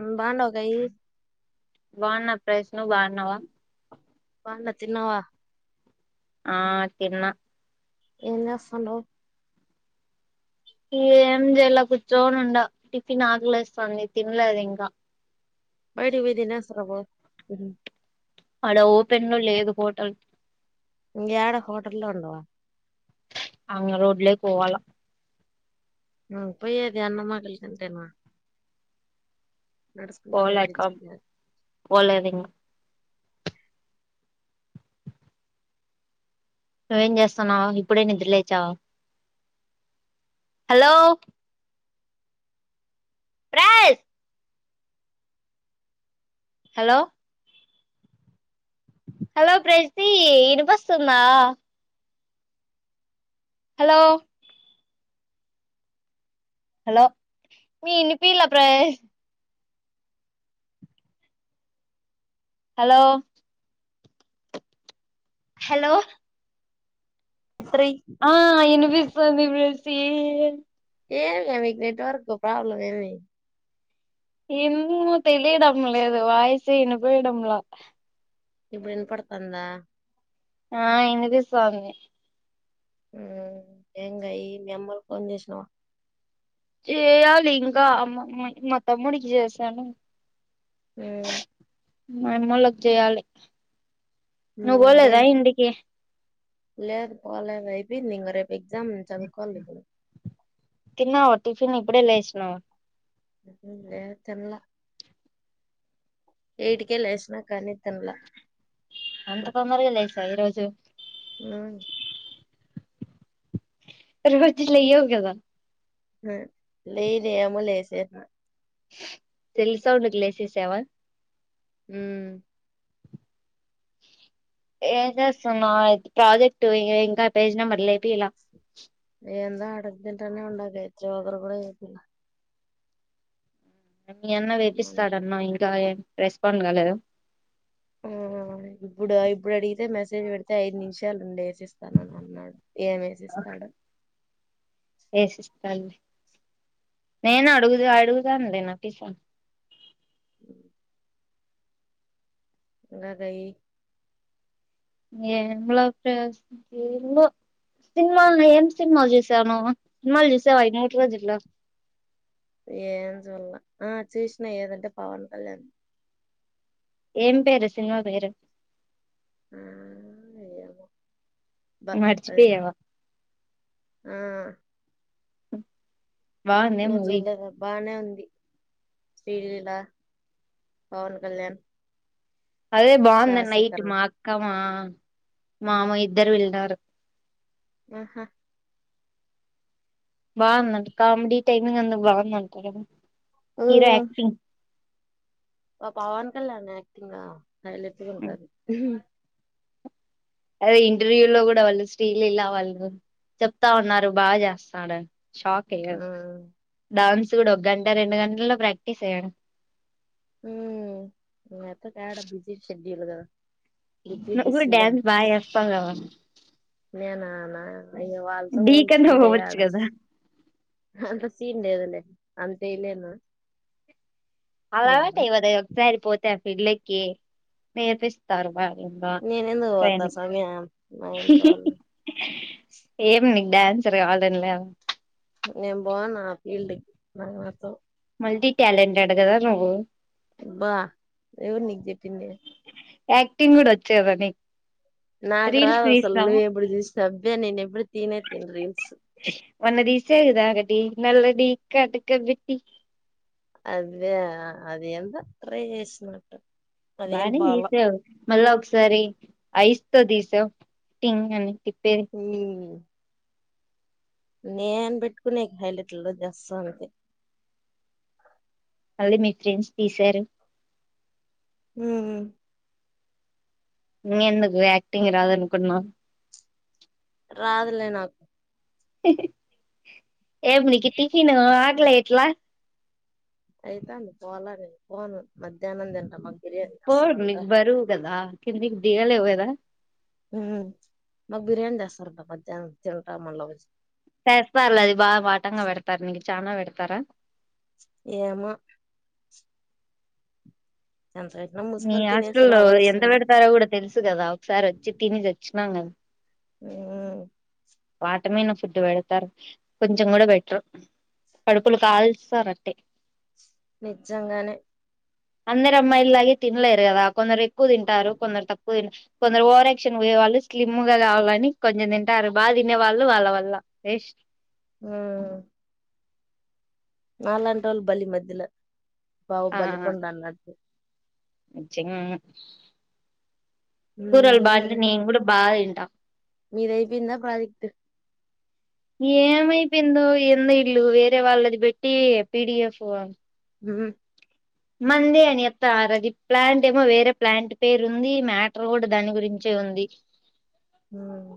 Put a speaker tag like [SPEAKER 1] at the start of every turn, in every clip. [SPEAKER 1] ఉండండ గయి
[SPEAKER 2] బాన్న price ను బాన్నవ
[SPEAKER 1] బాన్న తిన్నవ
[SPEAKER 2] ఆ తిన్న
[SPEAKER 1] ఏం చేస్తాండవ్
[SPEAKER 2] ఏం చేయలా కూర్చోని ఉండా టిఫిన్ ఆకలిస్తాంది తినలేదు ఇంగ
[SPEAKER 1] బైటి కి పోయి దినేసి రా పో
[SPEAKER 2] అడ ఓపెన్లు లేదు హటల్
[SPEAKER 1] ఇగా ఎడ హోటల్లో ఉండవా
[SPEAKER 2] అంగ రోడ్లో పోవాల
[SPEAKER 1] పోయేది అన్న మాటలకంటేనా
[SPEAKER 2] పోలేక పోలేదు ఇగా నువ్వేం చేస్తున్నావ ఇప్పుడే నిద్ర లేచావా హలో ప్రేస్ హలో హలో ప్రజతి ఇనిపిస్తుందా హలో హలో మీ ఇనిపిలా ప్ర హలో హలో
[SPEAKER 1] త్రీ
[SPEAKER 2] ఆ అనిపిస్తుంది ప్రాజీతి మ్
[SPEAKER 1] ఏమి ఎమె నెట్వర్క్ ప్రాబ్లం ఏమి
[SPEAKER 2] ఏమో తెలిడంములేదు వయిసు ఇనిపియడంల
[SPEAKER 1] ఇప్పుడు ఇనపడ్తంద
[SPEAKER 2] ఆ ఇనిపిస్తాంది
[SPEAKER 1] మ్ ఇంగ ఈ మీ అమ్మకు ఫోన్ జెశినావ
[SPEAKER 2] చెయ్యాలి ఇంగ మ మకె తమ్మడికి చేసాను
[SPEAKER 1] మ్
[SPEAKER 2] మమ్మొళ్ళకి చేయాలి
[SPEAKER 1] ఉమ్,
[SPEAKER 2] నువ్వు పోలేదా
[SPEAKER 1] ఇంకేం
[SPEAKER 2] ఇంటికి
[SPEAKER 1] లేదు పోలేదు ఐపోయిందింగ రేప్
[SPEAKER 2] తిన్నావ టిఫిను ఇప్పుడే లేశ్నవ
[SPEAKER 1] లే తిన్లా ఏటికే లేసిన కనీ తిన్లా
[SPEAKER 2] అంత తొందరగా లేసా ఈ రోజు
[SPEAKER 1] ఉమ్
[SPEAKER 2] రోజు లేయవు కదా
[SPEAKER 1] లే లేదే ఏమో లేసాను
[SPEAKER 2] తెల్సు ఔట్ లెసేసావా
[SPEAKER 1] హుమ్
[SPEAKER 2] ఏం చేస్తున్నావ్ ప్రాజెక్ట్ ఇంకా పేజీ నెంబర్లు ఏపీయాల
[SPEAKER 1] ఏంద అడగ తింటనే ఉండది షుగరు కూడా ఏపీయాల
[SPEAKER 2] మీ అన్న వేపిస్తాడన్నవ్ ఇంకా రెస్పడ్ కాలేదా
[SPEAKER 1] ఆ ఇప్పుడు ఇప్పుడు అడిగితే మెసేజ్ పెడితే ఐదు నిమిషాలు ఉండే స్తానని అన్నాడు ఏమ్ ఏపిస్తాడో
[SPEAKER 2] ఏసిస్తాడు లే నేను అడుగుదు అడుగుదాం లే నటి
[SPEAKER 1] గదయ్యి
[SPEAKER 2] ఏం లవ్ స్టోరిసో సినిమాలో ఏం సినిమాలు చూసావు నువ్వు సినిమాలు చూసావా ఈ మూడ్ రోజుల్లో
[SPEAKER 1] ఏం చూడ్ల ఆ చూసిన ఏదంటే పవన్ కళ్యాణ్
[SPEAKER 2] ఏం పేరు సినిమా పేరు
[SPEAKER 1] ఆ, ఏమో? బ [unintelligible] లేదు
[SPEAKER 2] మర్చిపోయావా
[SPEAKER 1] ఆ.
[SPEAKER 2] హ్మ్.
[SPEAKER 1] నువ్వు జూడలేదా? బాగానే ఉంది. ది శ్రీలీల, పవన్ కళ్యాణ్.
[SPEAKER 2] అదే బాగుంది. నైట్
[SPEAKER 1] రాశిఖన్నా
[SPEAKER 2] మా అక్క, మా. మామో ఇద్దరూ వెళ్లినారు.
[SPEAKER 1] ఆహా.
[SPEAKER 2] బాగుంద అంట. కామెడీ. టైమింగ్ అంత, బాగుందంటార ఎవరన్నా.
[SPEAKER 1] ఉ. మా పవన్ కళ్యాణ్ యాక్టింగ్ ఆ? హైలెట్లు గూడా ఉంటది.
[SPEAKER 2] అదే ఇంటర్వ్యూ లో గూడా వాళ్లు శ్రీలీల వాళ్లు చెప్తా ఉన్నారు బాగా చేస్తాండని. షాక్ అయ్యాను. డౌన్ చూడు ఒక గంట, రెండు గంటల్లో ప్రాక్టీస్ అయ్యన్.
[SPEAKER 1] హ్మ్, నువ్వు అయితే యాడా బిజీ షెడ్యూల్ కదా? డిప్యూటీ
[SPEAKER 2] నువ్వు కూడా
[SPEAKER 1] సీఎం
[SPEAKER 2] డాన్స్ బాగా చేస్తావు కదా
[SPEAKER 1] నేనా? లాయరు. అయ్యో, వాళ్లతో
[SPEAKER 2] డీ కన్నా
[SPEAKER 1] పోల్చుకుంటే
[SPEAKER 2] పోవచ్చు
[SPEAKER 1] ఏదా!
[SPEAKER 2] కదా
[SPEAKER 1] అంత సీన్ లేదు లే. అంతేలేనా?
[SPEAKER 2] అలవాటే వదా. ఒకసారి పోతే ఆ ఫీల్డ్‌లోకి. కె, నేర్పిస్తారు బాగా.
[SPEAKER 1] నేను ఎందుకు పోతా
[SPEAKER 2] ట్రైనింగ్
[SPEAKER 1] సమీ అం? మైండ్ గాల?
[SPEAKER 2] డ్యాన్సర్ కావాలనలా?
[SPEAKER 1] నేను పోను ఆ ఫీల్డ్‌కి. నాకు నచ్చదు.
[SPEAKER 2] మల్టీ ట్యాలెంటెడ్ కదా నువ్వు?
[SPEAKER 1] అబ్బా, ఎవరు నీకు చెప్పింది?
[SPEAKER 2] యాక్టింగ్ గూడా వచ్చేదా నీక?
[SPEAKER 1] నాకు రాదు అసలు? నువ్వవు ఎప్పుడు చూసిన? అబ్బే! నేను ఎప్పుడు తినే తను రీల్స్.
[SPEAKER 2] నాలాడి కట్టుకబెట్టి.
[SPEAKER 1] అదే అది ఎంత ట్రై చేసినట్లు.
[SPEAKER 2] బానే తీసావ్. మళ్లా ఒకసారి. ఐస్‌తో తీసావ్ టింగ్ అని. తిప్పేది
[SPEAKER 1] ఉమ్ నేనూ పెట్టుకునే హైలైట్ర్లో జస్ అంతే.
[SPEAKER 2] మళ్ళీ మీ చైన్స్ తీశారు.
[SPEAKER 1] ఊమ్.
[SPEAKER 2] ఎందుకు యాక్టింగ్ రాదనుకున్నవ్.
[SPEAKER 1] రాదులే నాకు.
[SPEAKER 2] ఉహ్ హ్ ఏం నీకి టిఫిన్ ను ఆకలేయట్లే.
[SPEAKER 1] అయితడంది పోలరె పోను మధ్య. ఏమని తింటం మాకు బిర్యాని
[SPEAKER 2] పో
[SPEAKER 1] అస్సలు అంట.
[SPEAKER 2] నీకు బరువు కదా కిందికి దిగాలేవు గదా.
[SPEAKER 1] ఊమ్ మాకు బిర్యానీ తెస్తారు అంట మధ్యాహ్నం తింట మల్ల పోయి.
[SPEAKER 2] తెస్తారు లే అది బాగా బాటంగా పెడతారు నీకు. చానా పెడతారా.
[SPEAKER 1] ఏమో. ఎంత పెట్టినా
[SPEAKER 2] మీ
[SPEAKER 1] మూసుకొని తినేసి
[SPEAKER 2] హాస్టల్లో ఎంత
[SPEAKER 1] రావాల్సిందే
[SPEAKER 2] పెడతారో కూడా తెలుసు కదా. ఒకసారి వచ్చి తినిసచ్చు. నాంగ.
[SPEAKER 1] ఉమ్.
[SPEAKER 2] వాటర్ మీద ఫుడ్డు పెడతారు. కొంచెం కూడా పెట్టారు కడుపులు కాలుస్తారు అట్టే.
[SPEAKER 1] నిజంగానే.
[SPEAKER 2] అందరూ అమ్మాయి లాగే తినలేరు కదా కొందరు ఎక్. క్కు తింటారు కొందరు తక్కు. పో కొందరు ఓవరాక్షన్ పోయేవాళ్ళు స్లిమ్ గా కావాలని కొంచం తింటరు. బాగా తినే వాళ్ళు వాళ్ళ వల్ల.
[SPEAKER 1] ఉమ్. నాలాంటోలు బలి మధ్యలో. బాహుబలి కొండ అన్నట్లు.
[SPEAKER 2] చింగ్. కూరలు
[SPEAKER 1] ఉమ్
[SPEAKER 2] బావుంటే నేను కూడా బాగా తిం. ట
[SPEAKER 1] మీది అయిపోయిందా ప్రాజెక్టు.
[SPEAKER 2] ఏమైపోయిందో ఎందో వీల్లు వేరే వాళ్ళది పెట్టి పిడిఎఫ్.
[SPEAKER 1] ఊహ్మ్
[SPEAKER 2] మంది అని అత్త రది ప్లాంట్ ఏమో వేరే ప్లాంట్ పేరు ఉంది. మ్యాటర్ కూడా దాని గురించే ఉంది.
[SPEAKER 1] ఊమ్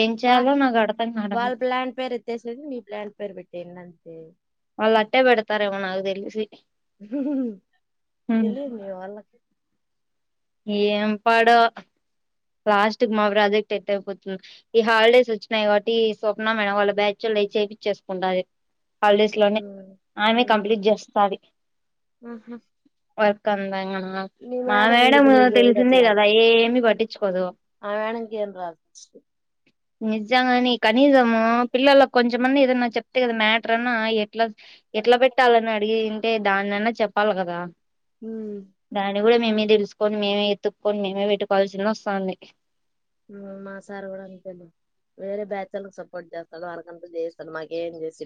[SPEAKER 2] ఏం చేయాలో నాకు అర్థం కావడం
[SPEAKER 1] వాళ్ళ ప్లాంట్ పేరు ఎత్తేసేది మీ ప్లాంట్ పేరు పెట్టేయండి అంతే. అంతే.
[SPEAKER 2] మళ్ళా అట్టే పెడతారమో నాకు తెలిసి. హ్మ్.
[SPEAKER 1] తెలివుందా వాళ్ళకి.
[SPEAKER 2] ఏం పాడో. లాస్ట్ మా ప్రాజెక్ట్ ఎట్ అయిపోతుంది. ఈ హాలిడేస్ వచ్చినయి కాబట్టి ఈ స్వప్న మేడం వాళ్ళ బ్యాచ్ వోళ్ళోవి చేపిచేసుకుంటది. హాలిడేస్ లోనే
[SPEAKER 1] ఉమ్
[SPEAKER 2] ఆమె
[SPEAKER 1] ఉమ్
[SPEAKER 2] కంప్లీట్ చేస్తది
[SPEAKER 1] ఆహా
[SPEAKER 2] వర్క్ కందంగు అ
[SPEAKER 1] మీ
[SPEAKER 2] మా
[SPEAKER 1] మేడం ఎందుకు
[SPEAKER 2] మేడమ్
[SPEAKER 1] మీ గైడ్
[SPEAKER 2] తెలిసిందే
[SPEAKER 1] అట్లా
[SPEAKER 2] కదా ఏమి పట్
[SPEAKER 1] ఆ మ్యాడమ్ కీ ఏం రాదు
[SPEAKER 2] నిజ్జంగాని కనీసం ము పిల్లల్లకి కొంచంమన్న ఏదన్నా చెప్తేగా మ్యాటరన్న ఎ ఎట్లా ఎట్లా పెట్టాలని అడిగి అంటే దాన్నన్నా చెప్పాలి కదా
[SPEAKER 1] ఉ
[SPEAKER 2] దాన్ని కూడా మేమే తెలుసుకని మేమే ఎతుక్కొని మేమ పెట్టుకోవాల్సిన వోస్ స్థాంది
[SPEAKER 1] మా సార్ కూడా అంతేలే వేరే బ్యాచ్ ఒళ్ళకి సపోర్ట్ చేస్తాడు వాళ్ళకంత చేస్తాడు మాకేం చేసి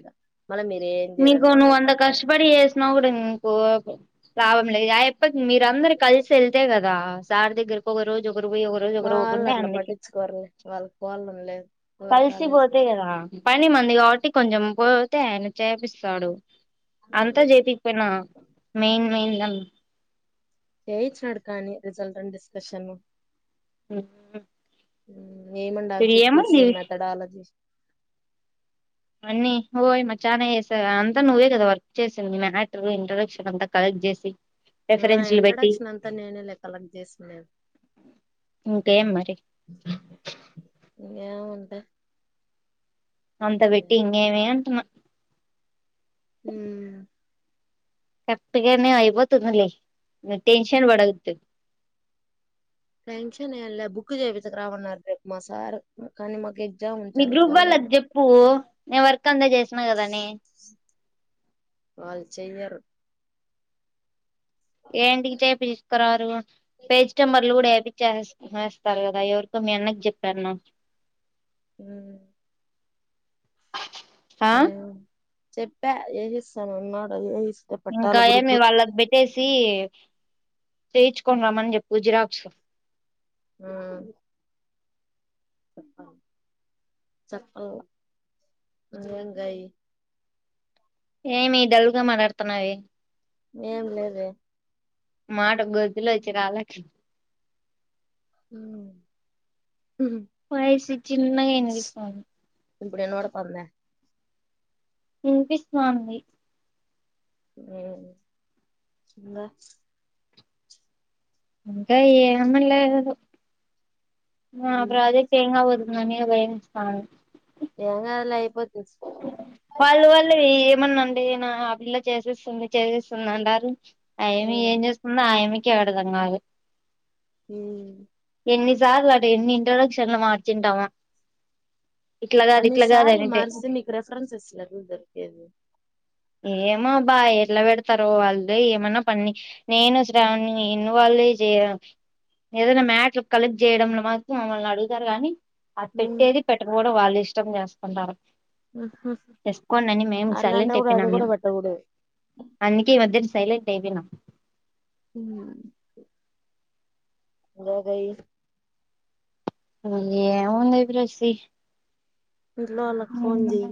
[SPEAKER 2] నీకు నువ్వు అంత కష్టపడి చేసిన కూడా నీకు లాభం లేదు ఆయప్పకి మీరందరు కలిసి వెళ్తే కదా సార్ దగ్గరకి ఒక రోజు ఒకరు పోయి ఒక రోజు
[SPEAKER 1] మా
[SPEAKER 2] ఒకరు
[SPEAKER 1] వాళ్ళు
[SPEAKER 2] పోకుంటే
[SPEAKER 1] అట్లా
[SPEAKER 2] అందుకే
[SPEAKER 1] పట్టించుకోరులే వాళ్ళకి పోవాలని లేదు ఎవరి కాలేజ్
[SPEAKER 2] కలిసిపోతే కదా పని మందికాబట్టీ కొంచం పోతే ఆయన చేపిస్తాడు. అంతా చేపికపోయినా మెయిన్ మెయిన్ అన్
[SPEAKER 1] చేయించినాడు కానీ రిజల్ట్ అండ్ డిస్కషన్
[SPEAKER 2] ఊ
[SPEAKER 1] ఉ ఏమండి అబ్జెక్ట్ తీసులేదు మెథడాలజీ
[SPEAKER 2] అన్నీ ఓయమ్మ చాన చేసా అంతా నువ్వే కదా వర్క్ చేసింది మ్యాటర్ ఇంట్రడక్షన్ అంతా కలెక్ట్ చేసి
[SPEAKER 1] ఆ
[SPEAKER 2] రెఫరెన్స్లు పెట్టి
[SPEAKER 1] ఇంట్రొడక్షన్ అంతా నేనే లే కలెక్ట్ చేసిన్నేది
[SPEAKER 2] ఇంకేం మరి
[SPEAKER 1] ఇంగ ఏముంద్ దా
[SPEAKER 2] అంత పెట్టి ఇంగేమి అంటున్న
[SPEAKER 1] హు
[SPEAKER 2] కరెక్ట్గానే అయిపోతుందిలే మీరు టెన్షన్ బడత్తు
[SPEAKER 1] టెన్షన్ ఏం లే బుక్ చేపించక రమన్నారు రేపు మా సార్ కానీ మాకు ఎ
[SPEAKER 2] మీ గ్రూప్ వాళ్ళకి చెప్పు నేను వర్క్ అంతా చేసిన కదని
[SPEAKER 1] వాల్ చెయ్యరు
[SPEAKER 2] ఏంటికి చేపిచ్క్ రారు పేజనెంబర్లు కూడా వేపి చేస్త చేస్తారు కదా ఎవరికో మీ అన్నకి చెప్పాన్నావ్
[SPEAKER 1] ఊ
[SPEAKER 2] ఆ
[SPEAKER 1] ఏ చెప్పా ఏది ఇస్తాను అన్నాడు ఏస్తా
[SPEAKER 2] ఇంకా ఏమి వాళ్ళకి పెట్టేసి చేయి చేయించుకొని రమ్మని చెప్పు జిరాక్స్
[SPEAKER 1] ఉమ చెప్పల్ల [unintelligible]
[SPEAKER 2] ఏమి డల్ గా మాట్లాడుతున్నావే
[SPEAKER 1] వేమ్ లేదే
[SPEAKER 2] మాట గొంతులో నుంచి రాలకి
[SPEAKER 1] హుమ్
[SPEAKER 2] వాయిస్ చిన్నె గా వినిపిస్తుంది
[SPEAKER 1] ఇప్పుడు వినబడ్తుందా
[SPEAKER 2] విన్పిస్తుంది
[SPEAKER 1] హుమ్ ఇంగ
[SPEAKER 2] ఇంకా ఏం లేదు మన
[SPEAKER 1] మ్మ్
[SPEAKER 2] ప్రాజెక్టు ఏం గ అవుతుంది అన భైయస్తాంది
[SPEAKER 1] ఎం గాదు లే అయిపో
[SPEAKER 2] వాళ్ళు వాళ్ళు ఏమన్నా లేన ఆ పిల్య చేసేస్తుంది చదివేస్తుంది అంటారు టైమ్
[SPEAKER 1] మ్మ్
[SPEAKER 2] ఏం చేస్తుందో ఆయ కె అర్థం కాదు
[SPEAKER 1] హుమ్
[SPEAKER 2] ఎన్ని సార్లు అటన్ని ఇంట్రడక్షన్ మార్చి ఉంటామో
[SPEAKER 1] అన్ని సార్లు మారిస్తే నీకు రెఫరెన్స్ ఇస్లకు ఎక్కడ దొరికేది
[SPEAKER 2] ఏమో అబ్బాయ్ ఎట్లా పెడతారో వాళ్ళు ఏమన్నా పని నేను శ్రావణి వాళ్ళు ఏదైనా మ్యాట్లు కలెక్ట్ చేయడంలో మాత్రం మమ్మల్ని అడుగుతారు కానీ అది పెట్టేది పెట్టక పోడం వాళ్ళు ఇష్టం చేస్కుంటారు
[SPEAKER 1] ఉహు
[SPEAKER 2] ఎస్కోండని మేమ్ సైలెంట్ ఎ
[SPEAKER 1] అట్లాంటప్పుడు
[SPEAKER 2] ఇక
[SPEAKER 1] అది
[SPEAKER 2] మియ
[SPEAKER 1] కూడా పెట్టకూడదు
[SPEAKER 2] అందుకే ఈ మధ్య సైలెంట్ ఏదినా
[SPEAKER 1] ఊహమ్ లో గయి
[SPEAKER 2] ఇంక ఏం ఉందే ఏ బ్రెసీ
[SPEAKER 1] ఇంట్లో వాళ్ళకు ఫోన్ చేయి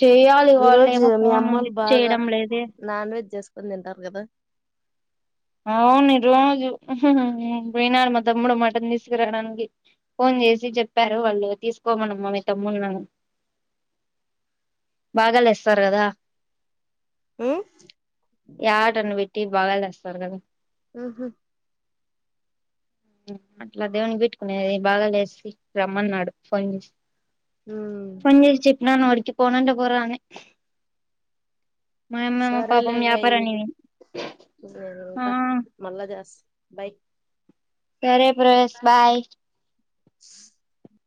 [SPEAKER 2] చెయ్యాలి వాళ్ళెమో ఫోన్ లిఫ్ట్ చేయడం లేదే
[SPEAKER 1] కొన్ తింటారు కదా
[SPEAKER 2] అవును ఈ రోజు పోయినాడు మా తమ్ముడు మట్టన్ తీసుకురావడానికి ఫోన్ చేసి చెప్పారు వాళ్ళు తీసుకోమనీ మీ తమ్ముడిని అని బాగాలేస్తారు కదా
[SPEAKER 1] ఉ
[SPEAKER 2] యాటను బెట్టి భాగాలేస్తా స్తారు కదా
[SPEAKER 1] ఆహా
[SPEAKER 2] ఉ అట్లా దేవునికి పెట్టుకునే బావ లేసి రమ్మన్నాడు ఫోన్ చేసి
[SPEAKER 1] ఊ
[SPEAKER 2] నాను వాడికి పోనంట పోరా అని మా యమ్మ మేమో పాపం వ్యాపారానికి పోయింది.
[SPEAKER 1] నేనుంట మళ్ళ జెస్స బైయ్
[SPEAKER 2] సరే ప్రశ్ బాయ్